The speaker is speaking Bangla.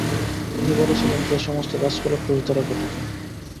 তিনি বলেছিলেন যে সমস্ত গাছপালা কোষ দ্বারা গঠিত।